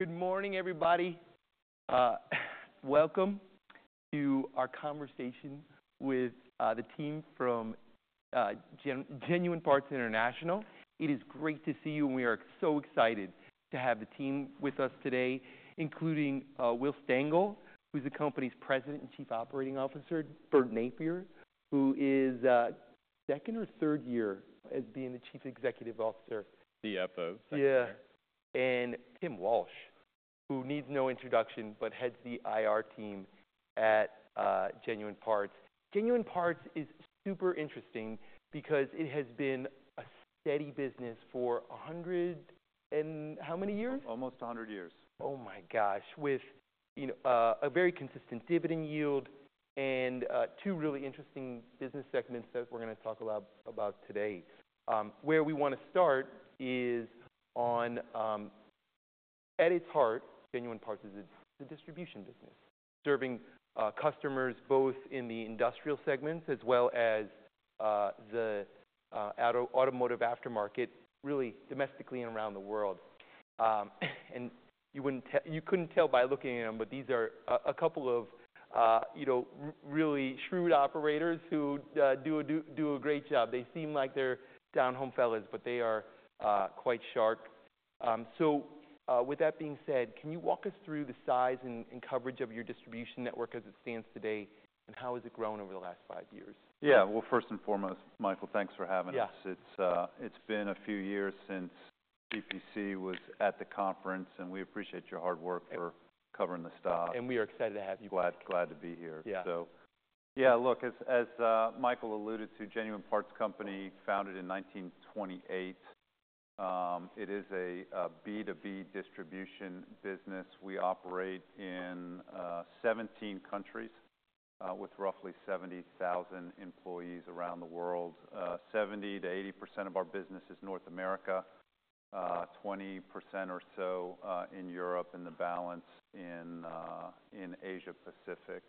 Good morning, everybody. Welcome to our conversation with the team from Genuine Parts Company. It is great to see you, and we are so excited to have the team with us today, including Will Stengel, who's the company's President and Chief Operating Officer. Bert Nappier, who is second or third year as being the Chief Executive Officer. CFO. Yeah. And Tim Walsh, who needs no introduction, but heads the IR team at Genuine Parts. Genuine Parts is super interesting because it has been a steady business for a hundred and how many years? Almost 100 years. Oh, my gosh! With, you know, a very consistent dividend yield and, two really interesting business segments that we're gonna talk about, about today. Where we wanna start is on, at its heart, Genuine Parts is a distribution business, serving customers both in the industrial segments as well as, the automotive aftermarket, really domestically and around the world. And you wouldn't tell--you couldn't tell by looking at them, but these are a couple of, you know, really shrewd operators who do a great job. They seem like they're down-home fellas, but they are quite sharp. So, with that being said, can you walk us through the size and coverage of your distribution network as it stands today, and how has it grown over the last five years? Yeah. Well, first and foremost, Michael, thanks for having us. Yeah. It's been a few years since GPC was at the conference, and we appreciate your hard work for- Yeah covering the stock. We are excited to have you back. Glad, glad to be here. Yeah. So, yeah, look, as Michael alluded to, Genuine Parts Company, founded in 1928. It is a B2B distribution business. We operate in 17 countries with roughly 70,000 employees around the world. Seventy to eighty percent of our business is North America, 20% or so in Europe, and the balance in Asia Pacific.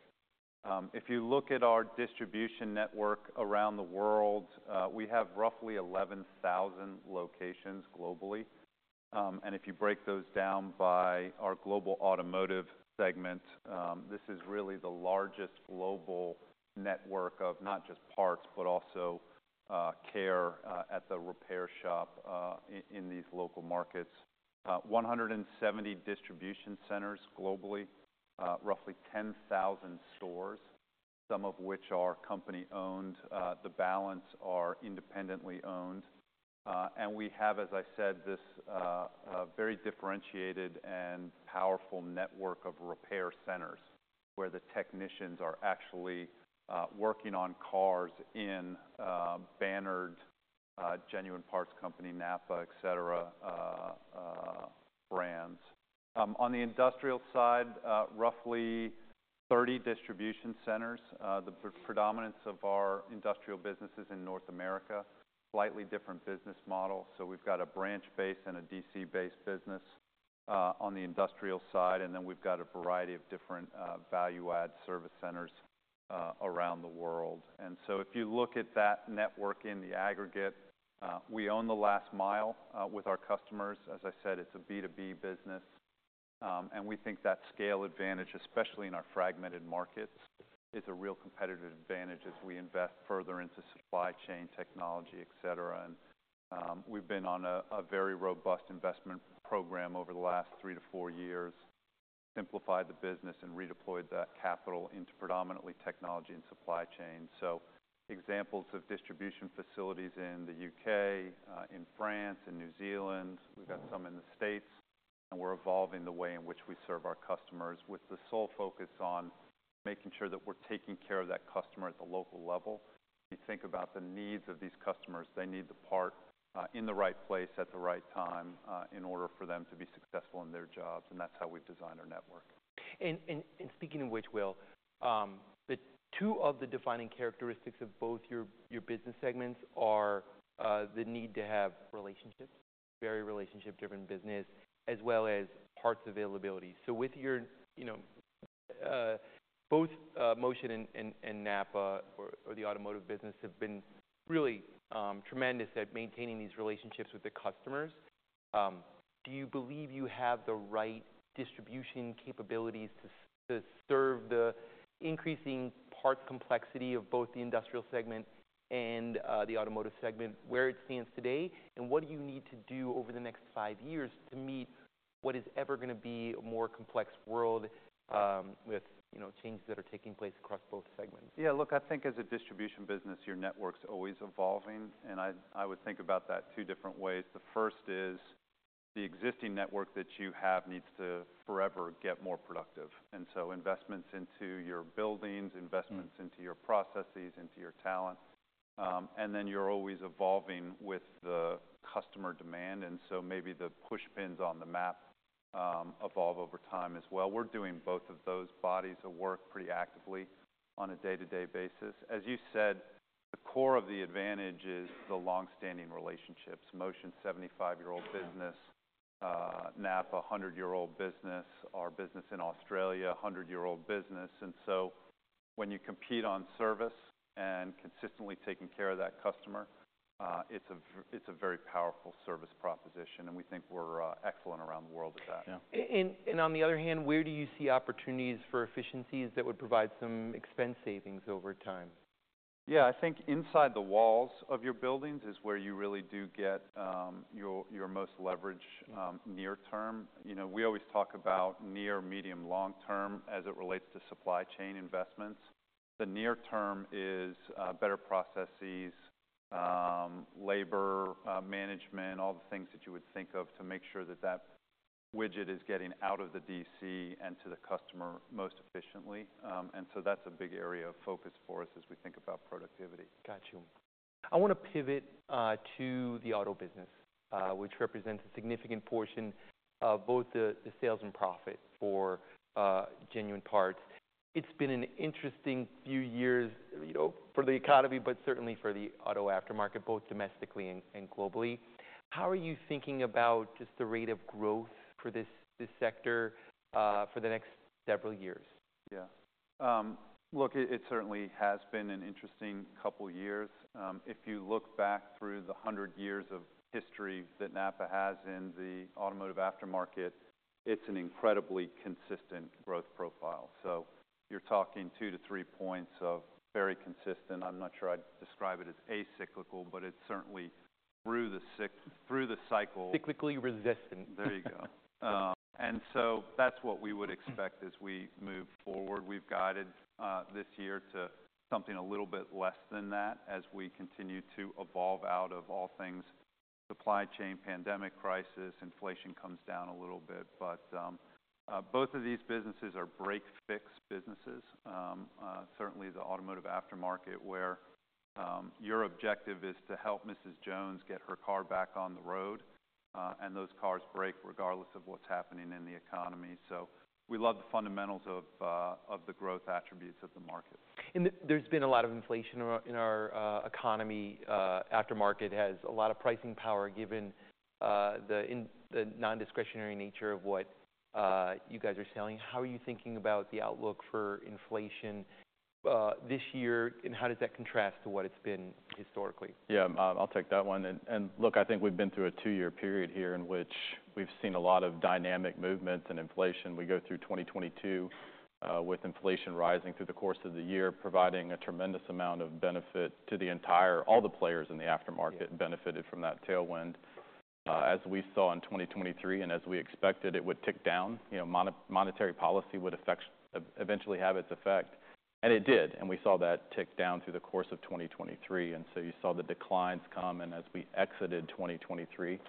If you look at our distribution network around the world, we have roughly 11,000 locations globally. And if you break those down by our global automotive segment, this is really the largest global network of not just parts, but also care at the repair shop in these local markets.170 distribution centers globally, roughly 10,000 stores, some of which are company-owned, the balance are independently owned. We have, as I said, this very differentiated and powerful network of repair centers, where the technicians are actually working on cars in bannered Genuine Parts Company, NAPA, et cetera, brands. On the industrial side, roughly 30 distribution centers. The predominance of our industrial business is in North America. Slightly different business model, so we've got a branch-based and a DC-based business on the industrial side, and then we've got a variety of different value-add service centers around the world. So if you look at that network in the aggregate, we own the last mile with our customers. As I said, it's a B2B business, and we think that scale advantage, especially in our fragmented markets, is a real competitive advantage as we invest further into supply chain technology, et cetera. And we've been on a very robust investment program over the last 3-4 years, simplified the business, and redeployed that capital into predominantly technology and supply chain. So examples of distribution facilities in the U.K. in France, in New Zealand, we've got some in the States, and we're evolving the way in which we serve our customers, with the sole focus on making sure that we're taking care of that customer at the local level. You think about the needs of these customers, they need the part, in the right place at the right time, in order for them to be successful in their jobs, and that's how we've designed our network. Speaking of which, Will, the two of the defining characteristics of both your, your business segments are the need to have relationships, very relationship-driven business, as well as parts availability. So with your, you know, both Motion and NAPA or the automotive business have been really tremendous at maintaining these relationships with the customers. Do you believe you have the right distribution capabilities to serve the increasing parts complexity of both the industrial segment and the automotive segment, where it stands today? And what do you need to do over the next five years to meet what is ever gonna be a more complex world, with, you know, changes that are taking place across both segments? Yeah, look, I think as a distribution business, your network's always evolving, and I would think about that two different ways. The first is, the existing network that you have needs to forever get more productive, and so investments into your buildings, investments- Mm into your processes, into your talent. And then you're always evolving with the customer demand, and so maybe the push pins on the map, evolve over time as well. We're doing both of those bodies of work pretty actively on a day-to-day basis. As you said, the core of the advantage is the long-standing relationships. Motion, 75-year-old business, NAPA, a 100-year-old business, our business in Australia, a 100-year-old business. And so when you compete on service and consistently taking care of that customer, it's a very, it's a very powerful service proposition, and we think we're, excellent around the world at that. Yeah. On the other hand, where do you see opportunities for efficiencies that would provide some expense savings over time? Yeah, I think inside the walls of your buildings is where you really do get your most leverage near term. You know, we always talk about near, medium, long term as it relates to supply chain investments. The near term is better processes, labor management, all the things that you would think of to make sure that that widget is getting out of the DC and to the customer most efficiently. And so that's a big area of focus for us as we think about productivity. Got you. I wanna pivot to the auto business, which represents a significant portion of both the sales and profit for Genuine Parts. It's been an interesting few years, you know, for the economy, but certainly for the auto aftermarket, both domestically and globally. How are you thinking about just the rate of growth for this sector for the next several years? Yeah. Look, it certainly has been an interesting couple of years. If you look back through the 100 years of history that NAPA has in the automotive aftermarket, it's an incredibly consistent growth profile. So you're talking 2-3 points of very consistent. I'm not sure I'd describe it as cyclical, but it's certainly through the cycle. Cyclically resistant. There you go. And so that's what we would expect as we move forward. We've guided this year to something a little bit less than that, as we continue to evolve out of all things supply chain, pandemic, crisis, inflation comes down a little bit. But both of these businesses are break fix businesses. Certainly the automotive aftermarket, where your objective is to help Mrs. Jones get her car back on the road, and those cars break regardless of what's happening in the economy. So we love the fundamentals of the growth attributes of the market. There's been a lot of inflation in our economy. Aftermarket has a lot of pricing power, given the nondiscretionary nature of what you guys are selling. How are you thinking about the outlook for inflation this year, and how does that contrast to what it's been historically? Yeah, I'll take that one. And look, I think we've been through a two-year period here in which we've seen a lot of dynamic movement and inflation. We go through 2022, with inflation rising through the course of the year, providing a tremendous amount of benefit to the entire... all the players in the aftermarket- Yeah benefited from that tailwind. As we saw in 2023, and as we expected, it would tick down. You know, monetary policy would affect, eventually have its effect, and it did. And we saw that tick down through the course of 2023, and so you saw the declines come. And as we exited 2023,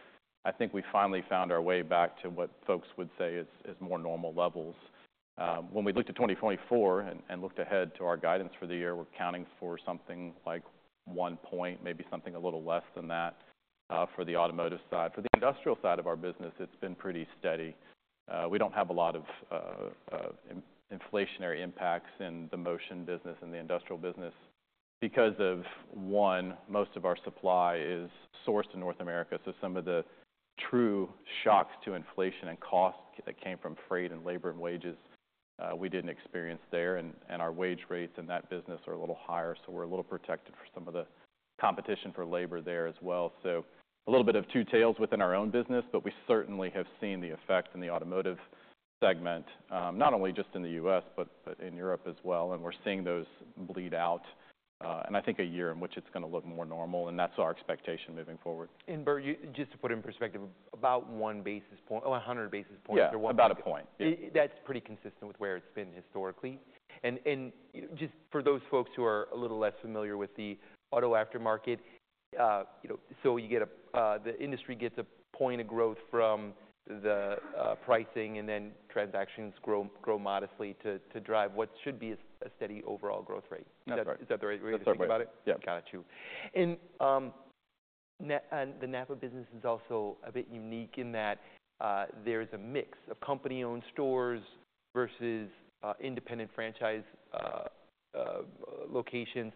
I think we finally found our way back to what folks would say is, is more normal levels. When we looked at 2024 and, and looked ahead to our guidance for the year, we're counting for something like 1%, maybe something a little less than that, for the automotive side. For the industrial side of our business, it's been pretty steady. We don't have a lot of inflationary impacts in the motion business and the industrial business because one, most of our supply is sourced in North America, so some of the true shocks to inflation and cost that came from freight and labor and wages we didn't experience there. And our wage rates in that business are a little higher, so we're a little protected for some of the competition for labor there as well. So a little bit of two tails within our own business, but we certainly have seen the effect in the automotive segment, not only just in the U.S. but in Europe as well, and we're seeing those bleed out, and I think a year in which it's gonna look more normal, and that's our expectation moving forward. Bert, you just to put it in perspective, about 1 basis point or 100 basis points- Yeah, about a point. Yeah. That's pretty consistent with where it's been historically. And just for those folks who are a little less familiar with the auto aftermarket, you know, the industry gets a point of growth from the pricing, and then transactions grow modestly to drive what should be a steady overall growth rate. That's right. Is that the right way to think about it? Yeah. Got you. And the NAPA business is also a bit unique in that there's a mix of company-owned stores versus independent franchise locations.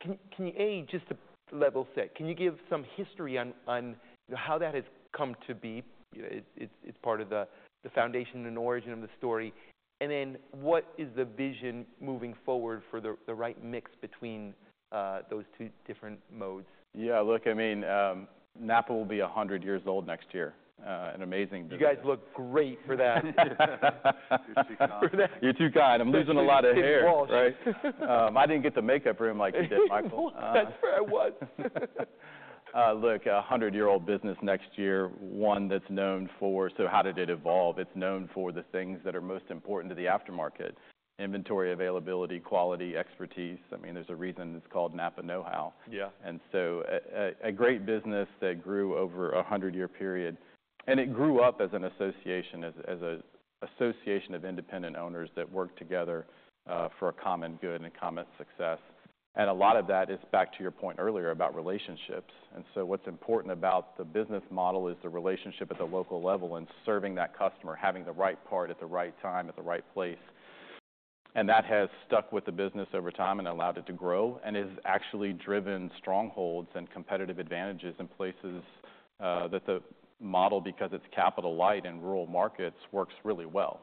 Can you just to level set, can you give some history on how that has come to be? It's part of the foundation and origin of the story. And then what is the vision moving forward for the right mix between those two different modes? Yeah, look, I mean, NAPA will be 100 years old next year. An amazing business. You guys look great for that. You're too kind. You're too kind. I'm losing a lot of hair. Right. I didn't get the makeup room like you did, Michael. That's where I was. Look, a 100-year-old business next year, one that's known for... So how did it evolve? It's known for the things that are most important to the aftermarket: inventory, availability, quality, expertise. I mean, there's a reason it's called NAPA Know-How. Yeah. So, a great business that grew over a 100-year period, and it grew up as an association, as an association of independent owners that worked together for a common good and a common success. And a lot of that is back to your point earlier about relationships, and so what's important about the business model is the relationship at the local level and serving that customer, having the right part at the right time, at the right place. And that has stuck with the business over time and allowed it to grow, and has actually driven strongholds and competitive advantages in places that the model, because it's capital light in rural markets, works really well.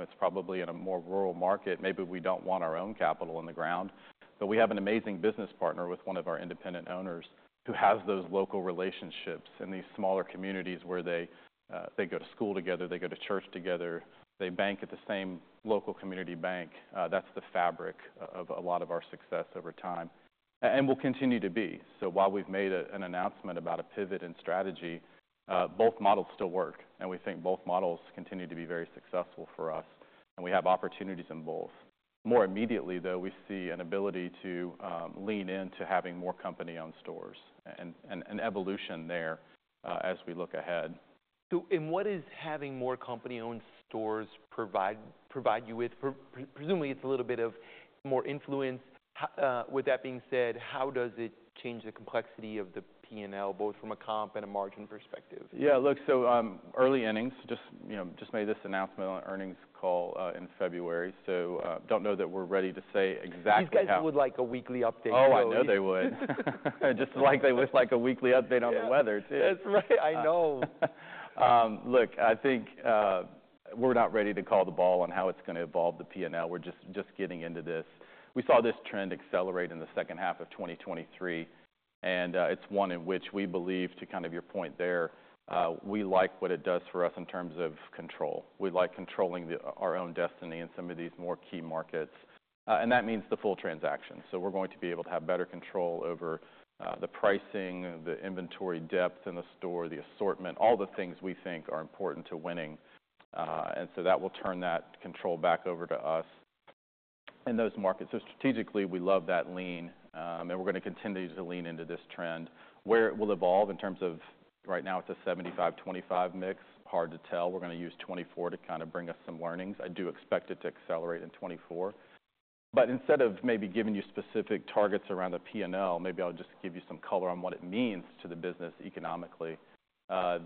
It's probably in a more rural market, maybe we don't want our own capital in the ground. But we have an amazing business partner with one of our independent owners, who has those local relationships in these smaller communities where they go to school together, they go to church together, they bank at the same local community bank. That's the fabric of a lot of our success over time, and will continue to be. So while we've made an announcement about a pivot in strategy, both models still work, and we think both models continue to be very successful for us, and we have opportunities in both. More immediately, though, we see an ability to lean into having more company-owned stores and an evolution there, as we look ahead. So, what is having more company-owned stores provide you with? Presumably, it's a little bit of more influence. With that being said, how does it change the complexity of the P&L, both from a comp and a margin perspective? Yeah, look, so early innings, just, you know, just made this announcement on earnings call in February, so don't know that we're ready to say exactly how- These guys would like a weekly update. Oh, I know they would. Just like they would like a weekly update on the weather, too. That's right. I know. Look, I think, we're not ready to call the ball on how it's gonna evolve the P&L. We're just, just getting into this. We saw this trend accelerate in the second half of 2023, and, it's one in which we believe, to kind of your point there, we like what it does for us in terms of control. We like controlling the-- our own destiny in some of these more key markets, and that means the full transaction. So we're going to be able to have better control over, the pricing, the inventory depth in the store, the assortment, all the things we think are important to winning. And so that will turn that control back over to us in those markets. So strategically, we love that lean, and we're gonna continue to lean into this trend. Where it will evolve in terms of... right now, it's a 75-25 mix. Hard to tell. We're gonna use 2024 to kind of bring us some learnings. I do expect it to accelerate in 2024. But instead of maybe giving you specific targets around the P&L, maybe I'll just give you some color on what it means to the business economically.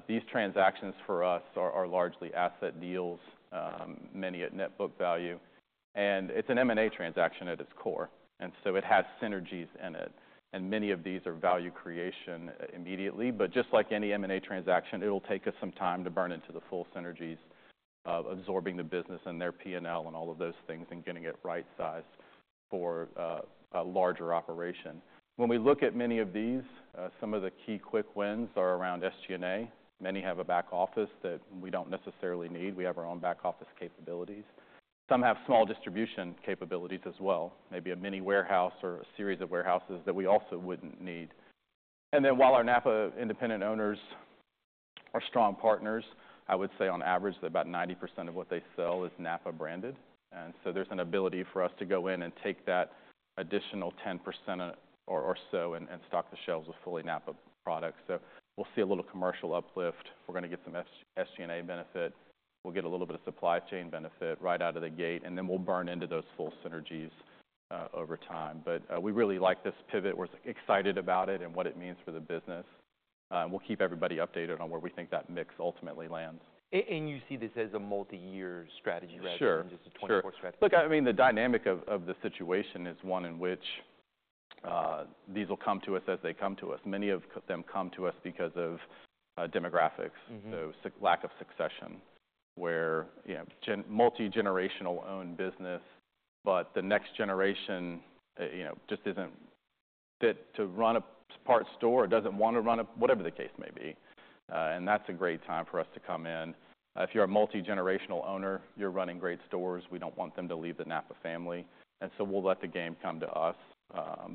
These transactions for us are largely asset deals, many at net book value, and it's an M&A transaction at its core, and so it has synergies in it, and many of these are value creation immediately. But just like any M&A transaction, it'll take us some time to burn into the full synergies of absorbing the business and their P&L and all of those things and getting it right-sized for a larger operation. When we look at many of these, some of the key quick wins are around SG&A. Many have a back office that we don't necessarily need. We have our own back office capabilities. Some have small distribution capabilities as well, maybe a mini warehouse or a series of warehouses that we also wouldn't need. And then, while our NAPA independent owners are strong partners, I would say on average, about 90% of what they sell is NAPA branded, and so there's an ability for us to go in and take that additional 10% or so and stock the shelves with fully NAPA products. So we'll see a little commercial uplift. We're gonna get some SG&A benefit. We'll get a little bit of supply chain benefit right out of the gate, and then we'll burn into those full synergies over time. But, we really like this pivot. We're excited about it and what it means for the business. We'll keep everybody updated on where we think that mix ultimately lands. You see this as a multiyear strategy? Sure... rather than just a 24 strategy? Sure. Look, I mean, the dynamic of the situation is one in which these will come to us as they come to us. Many of them come to us because of demographics- Mm-hmm... so, lack of succession, where, you know, multi-generational owned business, but the next generation, you know, just isn't fit to run a parts store or doesn't want to run a whatever the case may be. And that's a great time for us to come in. If you're a multi-generational owner, you're running great stores. We don't want them to leave the NAPA family, and so we'll let the game come to us.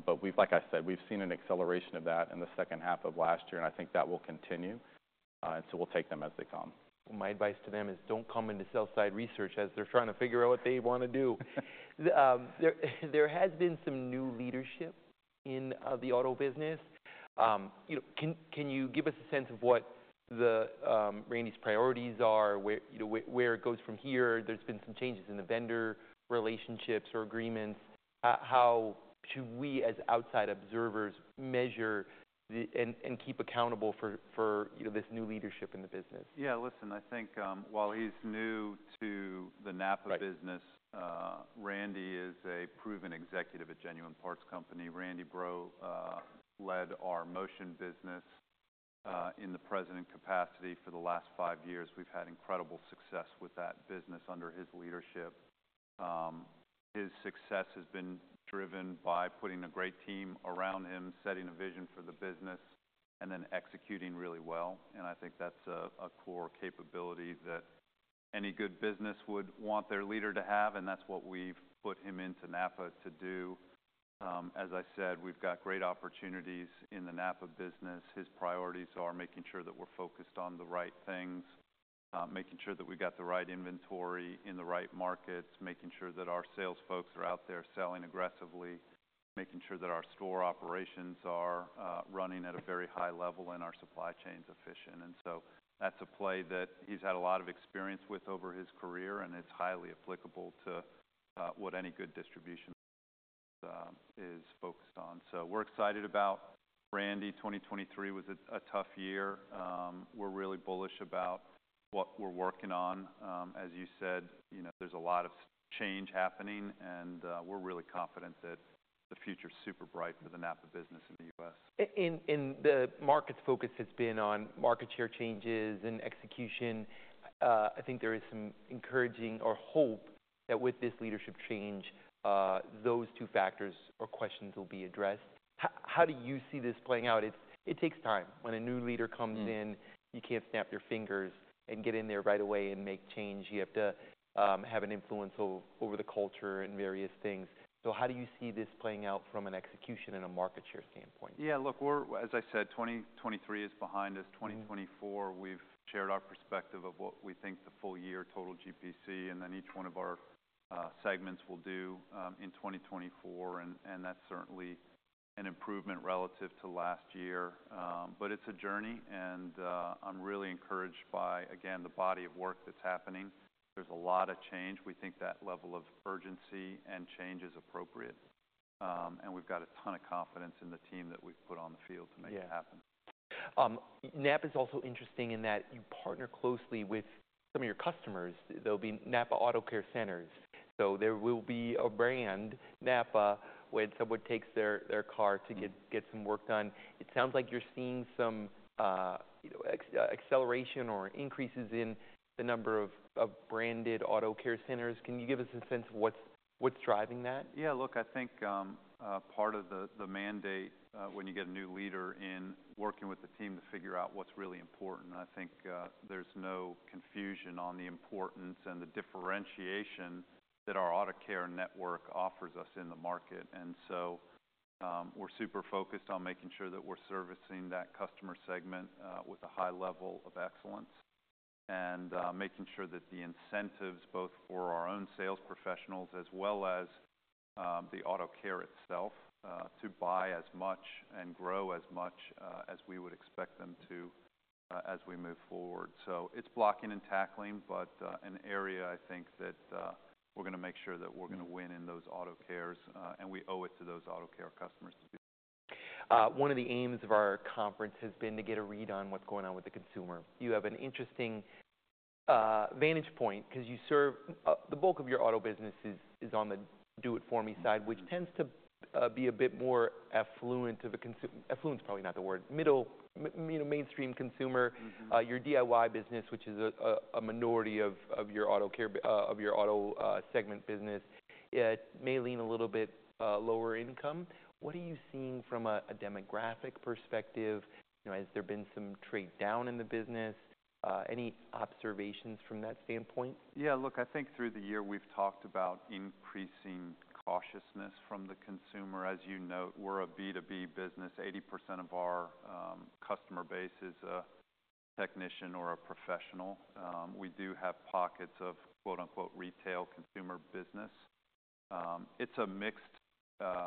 But we've, like I said, we've seen an acceleration of that in the second half of last year, and I think that will continue, and so we'll take them as they come. My advice to them is don't come into sell-side research as they're trying to figure out what they want to do. There has been some new leadership in the auto business. You know, can you give us a sense of what Randy's priorities are, where, you know, where it goes from here? There's been some changes in the vendor relationships or agreements. How should we, as outside observers, measure the... and keep accountable for, you know, this new leadership in the business? Yeah, listen, I think, while he's new to the NAPA business- Right Randy is a proven executive at Genuine Parts Company. Randy Bro led our Motion business in the president capacity for the last five years. We've had incredible success with that business under his leadership. His success has been driven by putting a great team around him, setting a vision for the business, and then executing really well, and I think that's a, a core capability that any good business would want their leader to have, and that's what we've put him into NAPA to do. As I said, we've got great opportunities in the NAPA business. His priorities are making sure that we're focused on the right things, making sure that we've got the right inventory in the right markets, making sure that our sales folks are out there selling aggressively, making sure that our store operations are running at a very high level, and our supply chain's efficient. And so that's a play that he's had a lot of experience with over his career, and it's highly applicable to what any good distribution is focused on. So we're excited about Randy. 2023 was a tough year. We're really bullish about what we're working on. As you said, you know, there's a lot of change happening, and we're really confident that- the future is super bright for the NAPA business in the U.S. The market's focus has been on market share changes and execution. I think there is some encouraging or hope that with this leadership change, those two factors or questions will be addressed. How do you see this playing out? It takes time. When a new leader comes in- Mm You can't snap your fingers and get in there right away and make change. You have to have an influence over the culture and various things. So how do you see this playing out from an execution and a market share standpoint? Yeah, look, we're... As I said, 2023 is behind us. Mm. 2024, we've shared our perspective of what we think the full year total GPC, and then each one of our segments will do in 2024, and, and that's certainly an improvement relative to last year. But it's a journey, and I'm really encouraged by, again, the body of work that's happening. There's a lot of change. We think that level of urgency and change is appropriate, and we've got a ton of confidence in the team that we've put on the field- Yeah to make it happen. NAPA is also interesting in that you partner closely with some of your customers. There'll be NAPA AutoCare centers, so there will be a brand, NAPA, when someone takes their car to get some work done. It sounds like you're seeing some, you know, acceleration or increases in the number of branded AutoCare centers. Can you give us a sense of what's driving that? Yeah, look, I think part of the mandate when you get a new leader in working with the team to figure out what's really important, and I think there's no confusion on the importance and the differentiation that our AutoCare network offers us in the market. And so, we're super focused on making sure that we're servicing that customer segment with a high level of excellence. And making sure that the incentives, both for our own sales professionals as well as the AutoCare itself, to buy as much and grow as much as we would expect them to as we move forward. So it's blocking and tackling, but an area I think that we're gonna make sure that we're- Mm gonna win in those AutoCares, and we owe it to those AutoCare customers to do that. One of the aims of our conference has been to get a read on what's going on with the consumer. You have an interesting vantage point 'cause you serve the bulk of your auto business is on the do-it-for-me side, which tends to be a bit more affluent of the consumer. Affluent is probably not the word. Middle, you know, mainstream consumer. Mm-hmm. Your DIY business, which is a minority of your AutoCare of your auto segment business, it may lean a little bit lower income. What are you seeing from a demographic perspective? You know, has there been some trade-down in the business? Any observations from that standpoint? Yeah, look, I think through the year we've talked about increasing cautiousness from the consumer. As you note, we're a B2B business. 80% of our customer base is a technician or a professional. We do have pockets of quote, unquote, "retail consumer business." It's a mixed,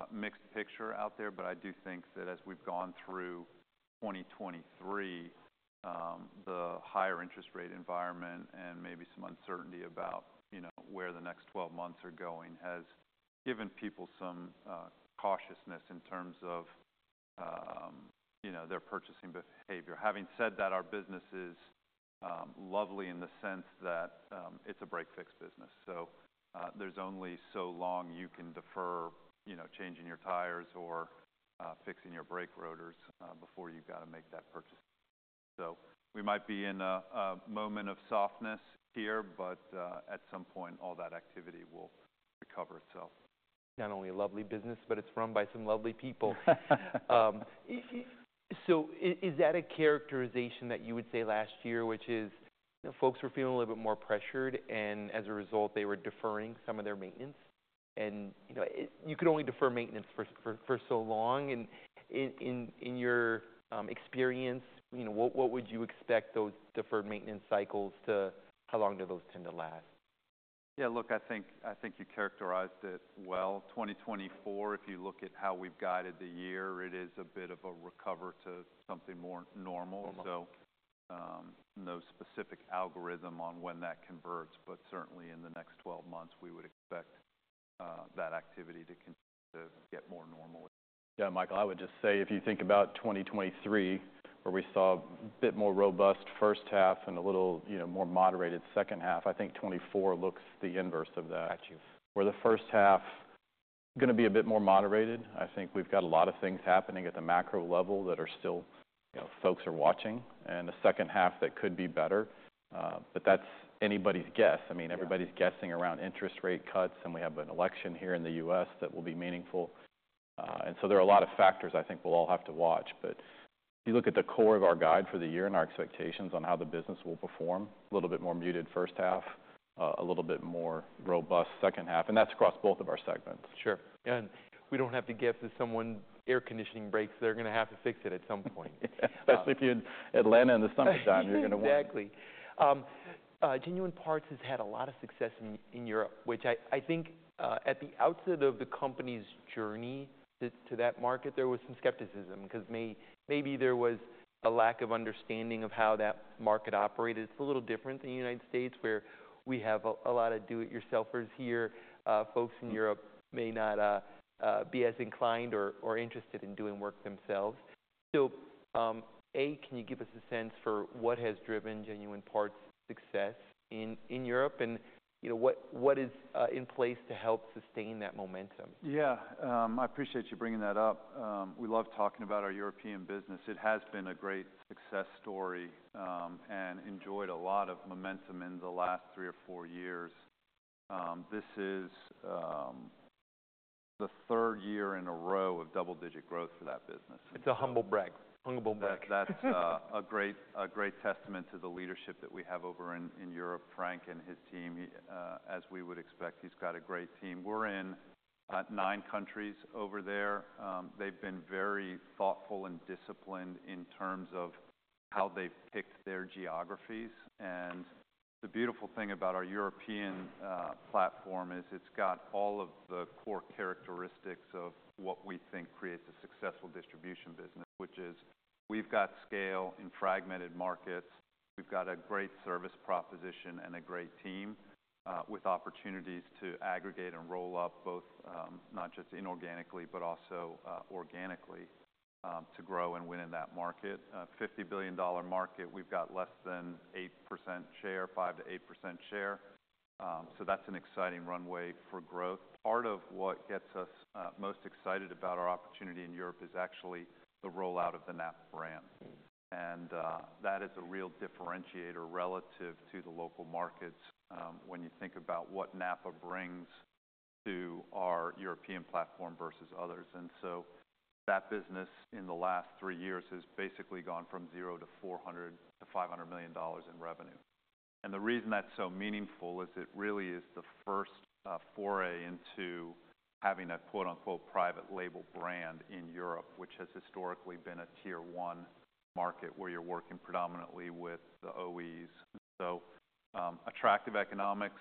mixed picture out there, but I do think that as we've gone through 2023, the higher interest rate environment and maybe some uncertainty about, you know, where the next 12 months are going, has given people some cautiousness in terms of, you know, their purchasing behavior. Having said that, our business is lovely in the sense that it's a break-fix business, so there's only so long you can defer, you know, changing your tires or fixing your brake rotors before you've got to make that purchase. So we might be in a moment of softness here, but at some point, all that activity will recover, so. Not only a lovely business, but it's run by some lovely people. So, is that a characterization that you would say last year, which is, you know, folks were feeling a little bit more pressured, and as a result, they were deferring some of their maintenance? And, you know, it—you can only defer maintenance for so long. And in your experience, you know, what would you expect those deferred maintenance cycles to... How long do those tend to last? Yeah, look, I think, I think you characterized it well. 2024, if you look at how we've guided the year, it is a bit of a recovery to something more normal. Mm-hmm. So, no specific algorithm on when that converts, but certainly in the next 12 months, we would expect, that activity to continue to get more normal again. Yeah, Michael, I would just say, if you think about 2023, where we saw a bit more robust first half and a little, you know, more moderated second half, I think 2024 looks the inverse of that. Got you. Whether the first half gonna be a bit more moderated. I think we've got a lot of things happening at the macro level that are still... You know, folks are watching. And the second half, that could be better, but that's anybody's guess. I mean- Yeah... everybody's guessing around interest rate cuts, and we have an election here in the U.S. that will be meaningful. And so there are a lot of factors I think we'll all have to watch. But if you look at the core of our guide for the year and our expectations on how the business will perform, a little bit more muted first half, a little bit more robust second half, and that's across both of our segments. Sure. And we don't have to guess if someone's air conditioning breaks, they're gonna have to fix it at some point. Especially if you're in Atlanta in the summertime, you're gonna want it. Exactly. Genuine Parts has had a lot of success in Europe, which I think, at the outset of the company's journey to that market, there was some skepticism, 'cause maybe there was a lack of understanding of how that market operated. It's a little different than the United States, where we have a lot of do-it-yourselfers here. Folks in Europe- Mm... may not be as inclined or interested in doing work themselves.... So, A, can you give us a sense for what has driven Genuine Parts' success in Europe? And, you know, what is in place to help sustain that momentum? Yeah, I appreciate you bringing that up. We love talking about our European business. It has been a great success story, and enjoyed a lot of momentum in the last three or four years. This is the third year in a row of double-digit growth for that business. It's a humble brag. Humble brag. That's a great testament to the leadership that we have over in Europe. Frank and his team, as we would expect, he's got a great team. We're in nine countries over there. They've been very thoughtful and disciplined in terms of how they've picked their geographies. The beautiful thing about our European platform is it's got all of the core characteristics of what we think creates a successful distribution business, which is we've got scale in fragmented markets, we've got a great service proposition and a great team, with opportunities to aggregate and roll up both not just inorganically but also organically to grow and win in that market. A $50 billion market, we've got less than 8% share, 5%-8% share. That's an exciting runway for growth. Part of what gets us most excited about our opportunity in Europe is actually the rollout of the NAPA brand. Mm-hmm. That is a real differentiator relative to the local markets, when you think about what NAPA brings to our European platform versus others. So that business, in the last three years, has basically gone from zero to $400 million to $500 million in revenue. The reason that's so meaningful is it really is the first foray into having a quote, unquote, "private label brand" in Europe, which has historically been a Tier One market, where you're working predominantly with the OEs. So attractive economics,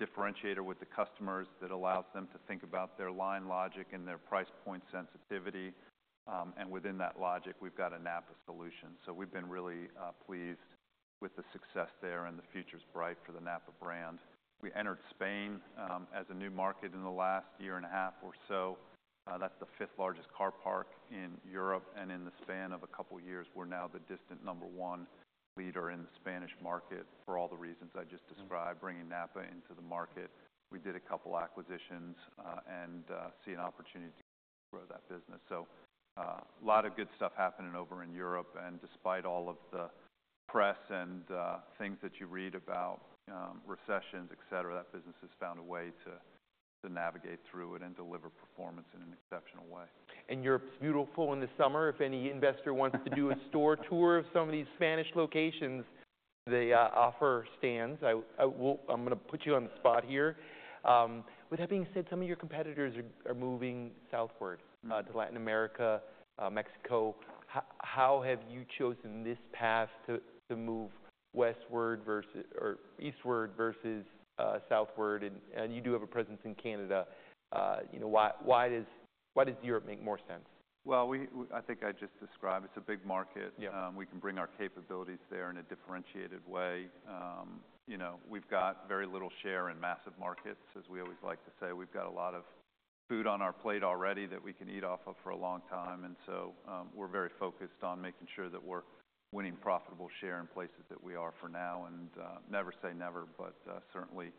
differentiator with the customers that allows them to think about their line logic and their price point sensitivity, and within that logic, we've got a NAPA solution. So we've been really pleased with the success there, and the future is bright for the NAPA brand. We entered Spain, as a new market in the last year and a half or so. That's the fifth largest car park in Europe, and in the span of a couple years, we're now the distant number one leader in the Spanish market for all the reasons I just described. Mm-hmm. Bringing NAPA into the market, we did a couple acquisitions, and see an opportunity to grow that business. So, a lot of good stuff happening over in Europe. And despite all of the press and things that you read about, recessions, et cetera, that business has found a way to navigate through it and deliver performance in an exceptional way. Europe's beautiful in the summer. If any investor wants to do a store tour of some of these Spanish locations, they offer stands. I'm gonna put you on the spot here. With that being said, some of your competitors are moving southward. Mm-hmm to Latin America, Mexico. How have you chosen this path to move westward versus or eastward versus southward, and you do have a presence in Canada. You know, why does Europe make more sense? Well, I think I just described, it's a big market. Yeah. We can bring our capabilities there in a differentiated way. You know, we've got very little share in massive markets. As we always like to say, we've got a lot of food on our plate already that we can eat off of for a long time. And so, we're very focused on making sure that we're winning profitable share in places that we are for now. And, never say never, but, certainly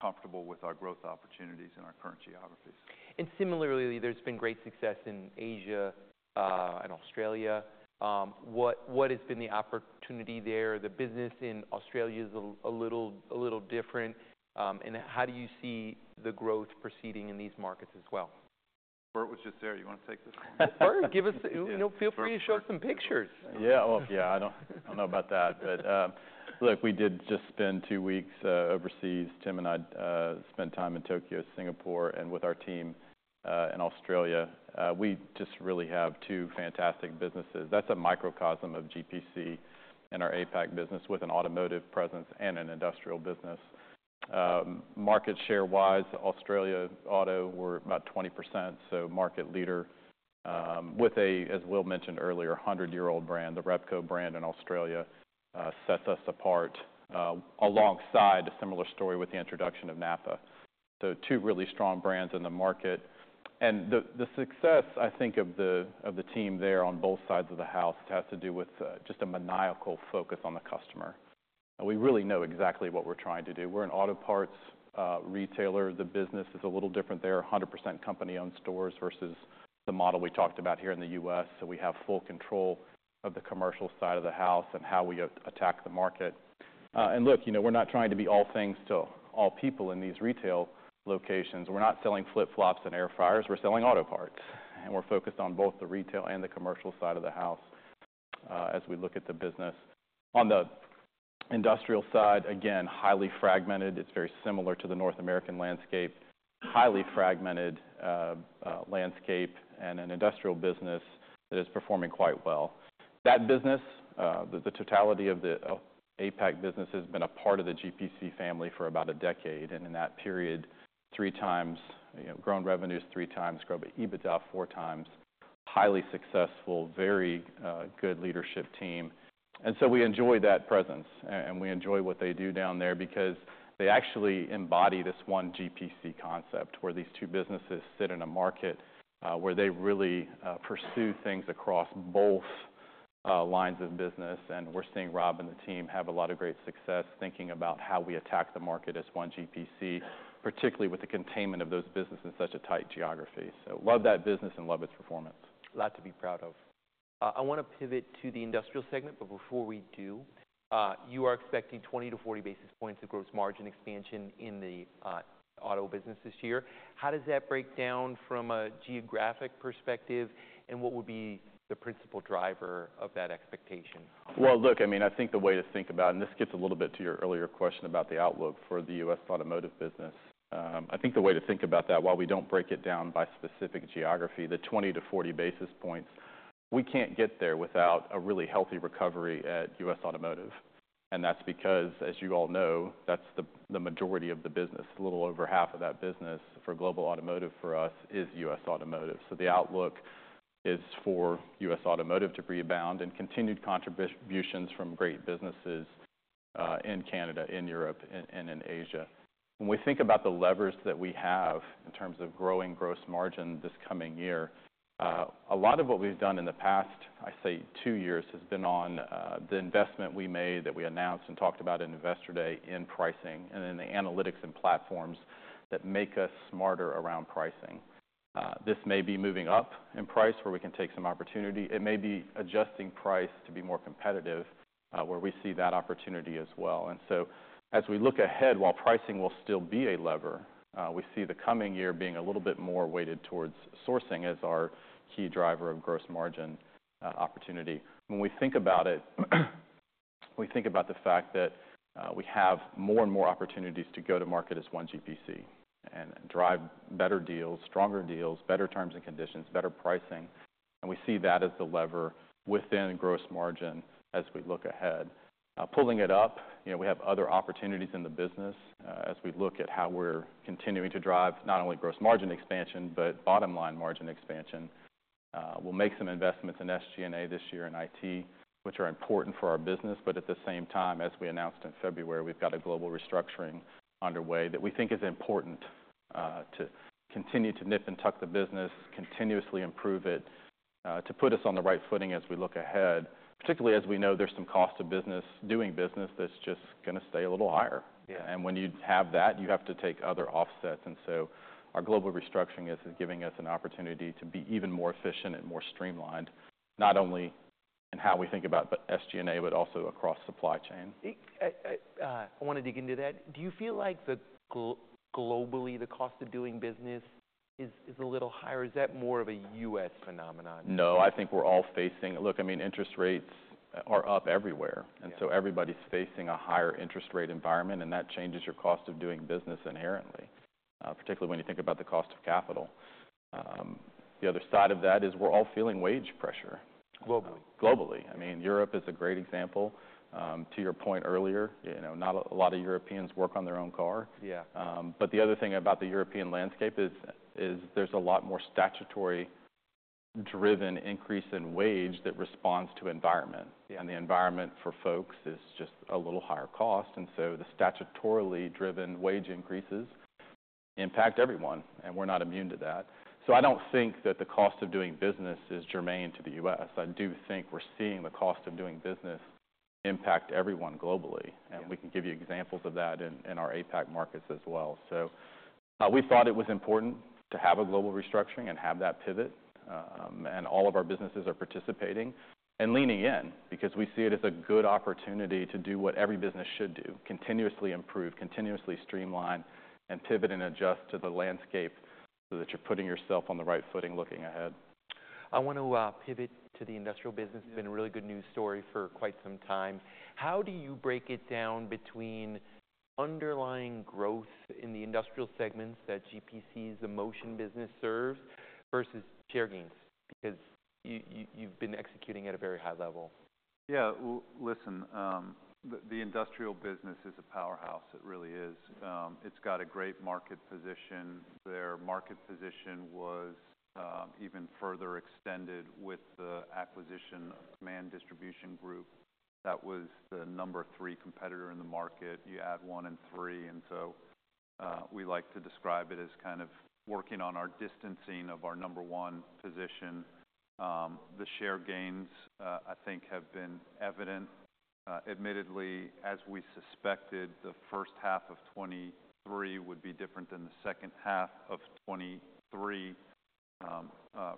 comfortable with our growth opportunities in our current geographies. And similarly, there's been great success in Asia and Australia. What has been the opportunity there? The business in Australia is a little different. And how do you see the growth proceeding in these markets as well? Bert was just there. You wanna take this one? Bert, give us... You know, feel free to show us some pictures. Yeah. Well, yeah, I don't know about that. But, look, we did just spend two weeks overseas. Tim and I spent time in Tokyo, Singapore, and with our team in Australia. We just really have two fantastic businesses. That's a microcosm of GPC and our APAC business, with an automotive presence and an industrial business. Market share-wise, Australia auto, we're about 20%, so market leader, with a, as Will mentioned earlier, 100-year-old brand. The Repco brand in Australia sets us apart, alongside a similar story with the introduction of NAPA. So two really strong brands in the market. And the success, I think, of the team there on both sides of the house, has to do with just a maniacal focus on the customer. And we really know exactly what we're trying to do. We're an auto parts retailer. The business is a little different there, 100% company-owned stores versus the model we talked about here in the US. So we have full control of the commercial side of the house and how we attack the market. And look, you know, we're not trying to be all things to all people in these retail locations. We're not selling flip-flops and air fryers. We're selling auto parts, and we're focused on both the retail and the commercial side of the house, as we look at the business. On the industrial side, again, highly fragmented. It's very similar to the North American landscape. Highly fragmented landscape and an industrial business that is performing quite well. That business, the totality of the APAC business, has been a part of the GPC family for about a decade, and in that period, three times. You know, grown revenues three times, grown EBITDA four times. Highly successful, very good leadership team. And so we enjoy that presence, and we enjoy what they do down there because they actually embody this one GPC concept, where these two businesses sit in a market, where they really pursue things across both lines of business, and we're seeing Rob and the team have a lot of great success thinking about how we attack the market as one GPC, particularly with the containment of those businesses in such a tight geography. So love that business and love its performance. A lot to be proud of. I wanna pivot to the industrial segment, but before we do, you are expecting 20-40 basis points of gross margin expansion in the auto business this year. How does that break down from a geographic perspective, and what would be the principal driver of that expectation? Well, look, I mean, I think the way to think about it, and this gets a little bit to your earlier question about the outlook for the U.S. automotive business. I think the way to think about that, while we don't break it down by specific geography, the 20-40 basis points, we can't get there without a really healthy recovery at U.S. Automotive. And that's because, as you all know, that's the, the majority of the business. A little over half of that business for global automotive for us is U.S. Automotive. So the outlook is for U.S. Automotive to rebound and continued contributions from great businesses in Canada, in Europe, and in Asia. When we think about the levers that we have in terms of growing gross margin this coming year, a lot of what we've done in the past, I'd say two years, has been on the investment we made, that we announced and talked about in Investor Day, in pricing and in the analytics and platforms that make us smarter around pricing. This may be moving up in price, where we can take some opportunity. It may be adjusting price to be more competitive, where we see that opportunity as well. And so as we look ahead, while pricing will still be a lever, we see the coming year being a little bit more weighted towards sourcing as our key driver of gross margin opportunity. When we think about it, we think about the fact that, we have more and more opportunities to go to market as one GPC and drive better deals, stronger deals, better terms and conditions, better pricing, and we see that as the lever within gross margin as we look ahead. Pulling it up, you know, we have other opportunities in the business. As we look at how we're continuing to drive not only gross margin expansion, but bottom-line margin expansion. We'll make some investments in SG&A this year, in IT, which are important for our business, but at the same time, as we announced in February, we've got a global restructuring underway that we think is important, to continue to nip and tuck the business, continuously improve it, to put us on the right footing as we look ahead, particularly as we know there's some cost of business, doing business, that's just gonna stay a little higher. Yeah. When you have that, you have to take other offsets. So our global restructuring is giving us an opportunity to be even more efficient and more streamlined, not only in how we think about the SG&A, but also across supply chain. I wanna dig into that. Do you feel like globally, the cost of doing business is a little higher, or is that more of a U.S. phenomenon? No, I think we're all facing... Look, I mean, interest rates are up everywhere, and so everybody's facing a higher interest rate environment, and that changes your cost of doing business inherently, particularly when you think about the cost of capital. The other side of that is we're all feeling wage pressure. Globally. Globally. I mean, Europe is a great example. To your point earlier, you know, not a lot of Europeans work on their own car. Yeah. But the other thing about the European landscape is, there's a lot more statutory-driven increase in wage that responds to environment. Yeah. The environment for folks is just a little higher cost, and so the statutorily driven wage increases impact everyone, and we're not immune to that. So I don't think that the cost of doing business is germane to the U.S. I do think we're seeing the cost of doing business impact everyone globally, and we can give you examples of that in our APAC markets as well. So, we thought it was important to have a global restructuring and have that pivot, and all of our businesses are participating and leaning in because we see it as a good opportunity to do what every business should do, continuously improve, continuously streamline, and pivot and adjust to the landscape, so that you're putting yourself on the right footing, looking ahead. I want to pivot to the industrial business. Yeah. It's been a really good news story for quite some time. How do you break it down between underlying growth in the industrial segments that GPC's Motion business serves versus share gains? Because you've been executing at a very high level. Yeah, well, listen, the industrial business is a powerhouse. It really is. It's got a great market position. Their market position was even further extended with the acquisition of Kaman Distribution Group. That was the number 3 competitor in the market. You add one and three, and so, we like to describe it as kind of working on our distancing of our number one position. The share gains, I think, have been evident. Admittedly, as we suspected, the first half of 2023 would be different than the second half of 2023.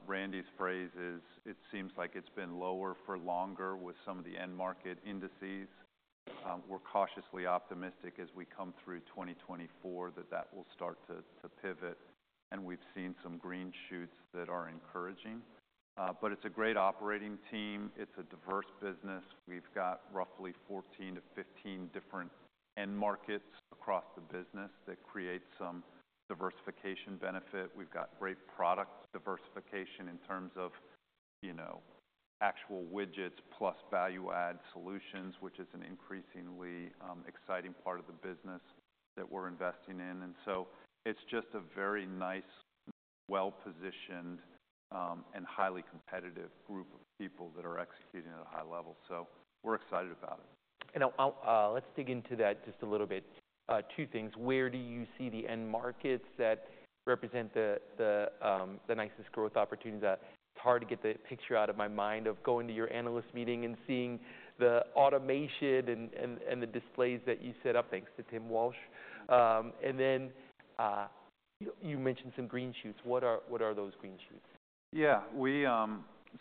Randy's phrase is: "It seems like it's been lower for longer with some of the end market indices." We're cautiously optimistic as we come through 2024, that that will start to pivot, and we've seen some green shoots that are encouraging. But it's a great operating team. It's a diverse business. We've got roughly 14-15 different end markets across the business that create some diversification benefit. We've got great product diversification in terms of, you know, actual widgets plus value-add solutions, which is an increasingly exciting part of the business that we're investing in. And so it's just a very nice, well-positioned, and highly competitive group of people that are executing at a high level. So we're excited about it.... And let's dig into that just a little bit. Two things: where do you see the end markets that represent the nicest growth opportunities? It's hard to get the picture out of my mind of going to your analyst meeting and seeing the automation and the displays that you set up, thanks to Tim Walsh. And then you mentioned some green shoots. What are those green shoots? Yeah. We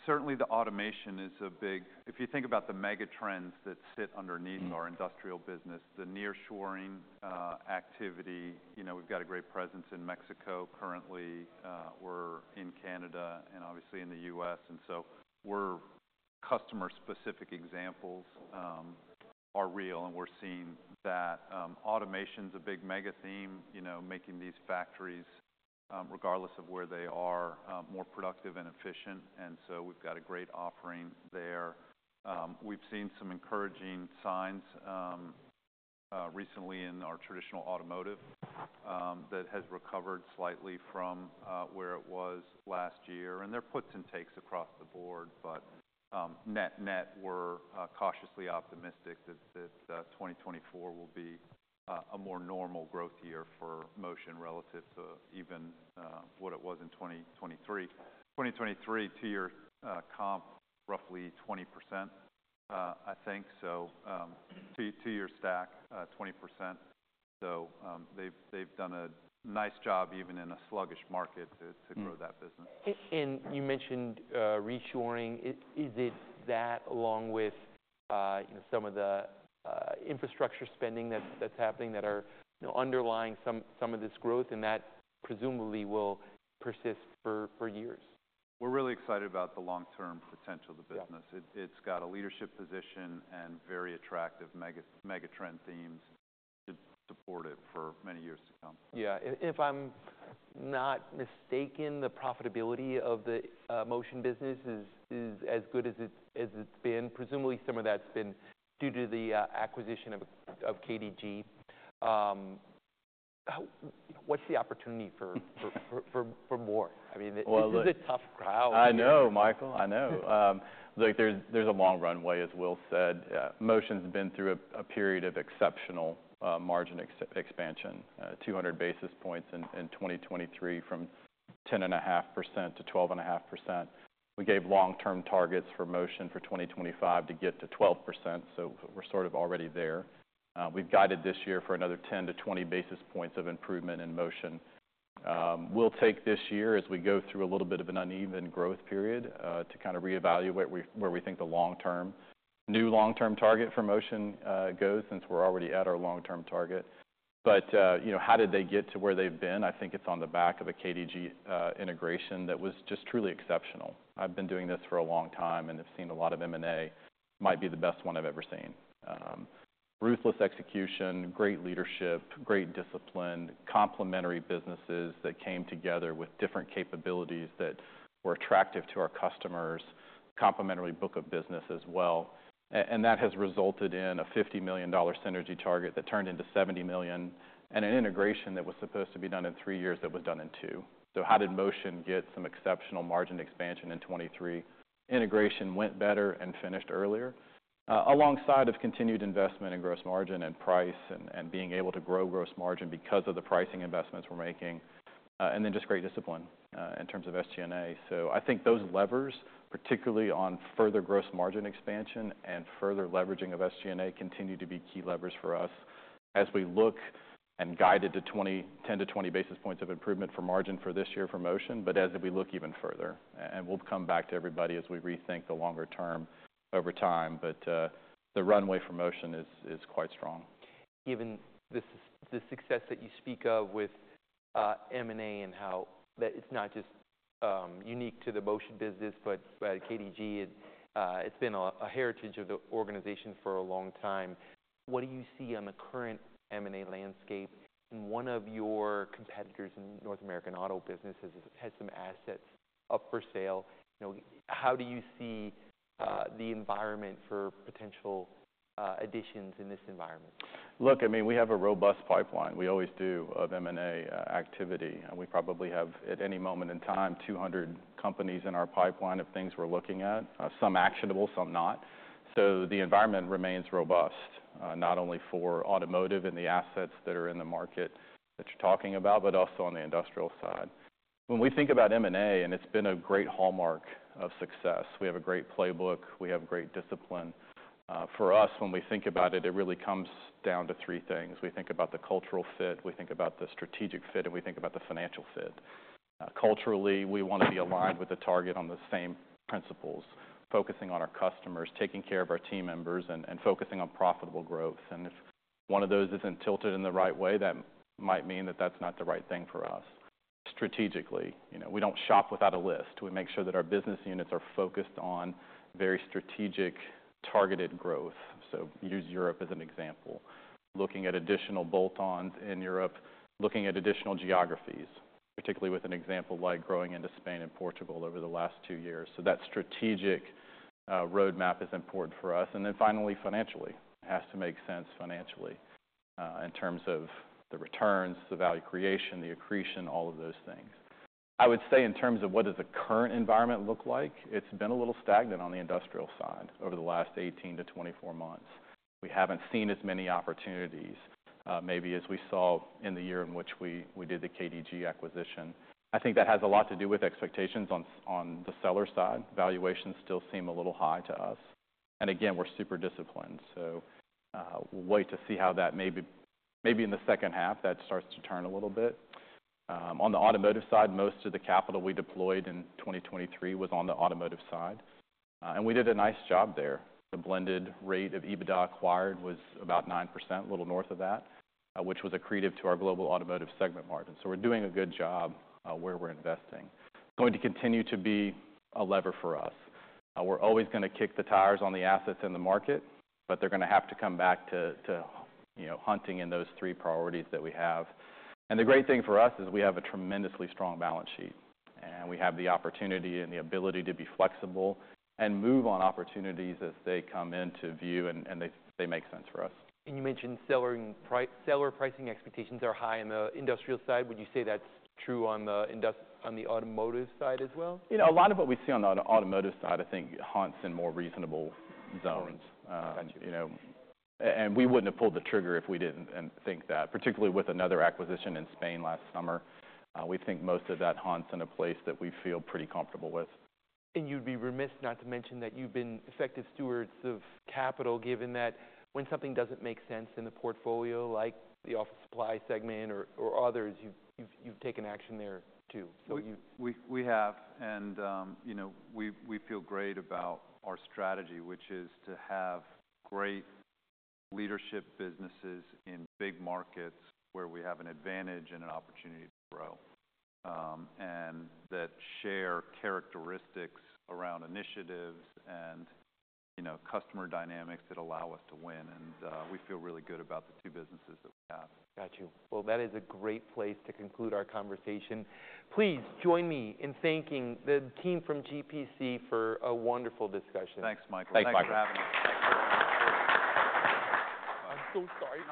certainly the automation is a big- If you think about the mega trends that sit underneath- Mm Our industrial business, the nearshoring activity, you know, we've got a great presence in Mexico. Currently, we're in Canada and obviously in the U.S. and so we're customer-specific examples are real, and we're seeing that, automation's a big mega theme, you know, making these factories, regardless of where they are, more productive and efficient, and so we've got a great offering there. We've seen some encouraging signs, recently in our traditional automotive, that has recovered slightly from, where it was last year, and there are puts and takes across the board, but, net, net, we're cautiously optimistic that, that, 2024 will be a more normal growth year for Motion relative to even, what it was in 2023. 2023, to your comp, roughly 20%, I think. So, to your stack, 20%. So, they've done a nice job, even in a sluggish market, to- Mm to grow that business. You mentioned reshoring. Is it that along with, you know, some of the infrastructure spending that's happening that are, you know, underlying some of this growth, and that presumably will persist for years? We're really excited about the long-term potential of the business. Yeah. It's got a leadership position and very attractive mega, mega trend themes to support it for many years to come. Yeah. If I'm not mistaken, the profitability of the Motion business is as good as it's been. Presumably, some of that's been due to the acquisition of KDG. What's the opportunity for more? I mean- Well, look- This is a tough crowd. I know, Michael. I know. Look, there's a long runway, as Will said. Motion's been through a period of exceptional margin expansion, 200 basis points in 2023, from 10.5% to 12.5%. We gave long-term targets for Motion for 2025 to get to 12%, so we're sort of already there. We've guided this year for another 10-20 basis points of improvement in Motion. We'll take this year as we go through a little bit of an uneven growth period to kind of reevaluate where we think the long-term new long-term target for Motion goes, since we're already at our long-term target. But, you know, how did they get to where they've been? I think it's on the back of a KDG integration that was just truly exceptional. I've been doing this for a long time, and I've seen a lot of M&A. Might be the best one I've ever seen. Ruthless execution, great leadership, great discipline, complementary businesses that came together with different capabilities that were attractive to our customers, complementary book of business as well. And that has resulted in a $50 million synergy target that turned into $70 million, and an integration that was supposed to be done in 3 years, that was done in 2. So how did Motion get some exceptional margin expansion in 2023? Integration went better and finished earlier, alongside of continued investment in gross margin and price and, and being able to grow gross margin because of the pricing investments we're making, and then just great discipline in terms of SG&A. So I think those levers, particularly on further gross margin expansion and further leveraging of SG&A, continue to be key levers for us as we look and guided to 10-20 basis points of improvement for margin for this year for Motion, but as we look even further, and we'll come back to everybody as we rethink the longer term over time. But the runway for Motion is quite strong. Given this, this success that you speak of with M&A and how that it's not just unique to the motion business, but KDG, it's been a heritage of the organization for a long time, what do you see on the current M&A landscape? And one of your competitors in North American auto business has some assets up for sale. You know, how do you see the environment for potential additions in this environment? Look, I mean, we have a robust pipeline. We always do of M&A activity, and we probably have, at any moment in time, 200 companies in our pipeline of things we're looking at, some actionable, some not. So the environment remains robust, not only for automotive and the assets that are in the market that you're talking about, but also on the industrial side. When we think about M&A, and it's been a great hallmark of success, we have a great playbook, we have great discipline. For us, when we think about it, it really comes down to three things: We think about the cultural fit, we think about the strategic fit, and we think about the financial fit. Culturally, we want to be aligned with the target on the same principles, focusing on our customers, taking care of our team members, and focusing on profitable growth, and if one of those isn't tilted in the right way, that might mean that that's not the right thing for us. Strategically, you know, we don't shop without a list. We make sure that our business units are focused on very strategic, targeted growth. So use Europe as an example, looking at additional bolt-ons in Europe, looking at additional geographies, particularly with an example like growing into Spain and Portugal over the last two years. So that strategic roadmap is important for us. And then finally, financially. It has to make sense financially in terms of the returns, the value creation, the accretion, all of those things. I would say in terms of what does the current environment look like, it's been a little stagnant on the industrial side over the last 18-24 months. We haven't seen as many opportunities, maybe as we saw in the year in which we did the KDG acquisition. I think that has a lot to do with expectations on the seller side. Valuations still seem a little high to us, and again, we're super disciplined, so we'll wait to see how that maybe in the second half, that starts to turn a little bit. On the automotive side, most of the capital we deployed in 2023 was on the automotive side, and we did a nice job there. The blended rate of EBITDA acquired was about 9%, a little north of that, which was accretive to our global automotive segment margin. So we're doing a good job where we're investing. It's going to continue to be a lever for us. We're always gonna kick the tires on the assets in the market, but they're gonna have to come back to you know, hunting in those three priorities that we have. And the great thing for us is we have a tremendously strong balance sheet, and we have the opportunity and the ability to be flexible and move on opportunities as they come into view, and they make sense for us. You mentioned seller pricing expectations are high on the industrial side. Would you say that's true on the automotive side as well? You know, a lot of what we see on the automotive side, I think, hunts in more reasonable zones. Got you. You know, and we wouldn't have pulled the trigger if we didn't think that, particularly with another acquisition in Spain last summer. We think most of that hunts in a place that we feel pretty comfortable with. You'd be remiss not to mention that you've been effective stewards of capital, given that when something doesn't make sense in the portfolio, like the office supply segment or others, you've taken action there, too. So you- We have, you know, we feel great about our strategy, which is to have great leadership businesses in big markets where we have an advantage and an opportunity to grow. And that share characteristics around initiatives and, you know, customer dynamics that allow us to win, and we feel really good about the two businesses that we have. Got you. Well, that is a great place to conclude our conversation. Please join me in thanking the team from GPC for a wonderful discussion. Thanks, Michael. Thanks, Michael. Thanks for having us. I'm so sorry, Tom.